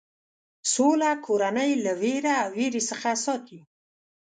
سوله کورنۍ له وېره او وېرې څخه ساتي.